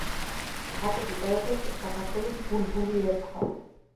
აკაკი წერეთელს საქართველოს ბულბული ერქვა.